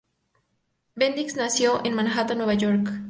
Bendix nació en Manhattan, Nueva York.